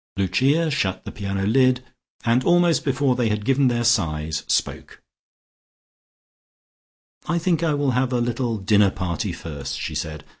Lucia shut the piano lid, and almost before they had given their sighs, spoke. "I think I will have a little dinner party first," she said.